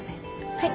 はい。